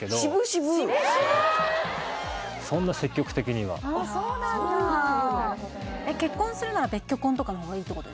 そんな積極的にはあっそうなんや結婚するなら別居婚とかの方がいいってことですか？